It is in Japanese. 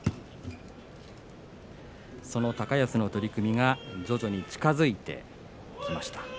高安の取組が徐々に近づいてきました。